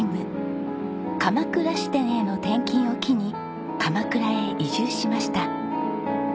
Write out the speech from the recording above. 鎌倉支店への転勤を機に鎌倉へ移住しました。